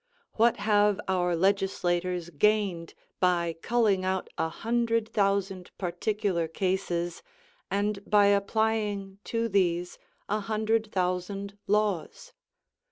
What have our legislators gained by culling out a hundred thousand particular cases, and by applying to these a hundred thousand laws?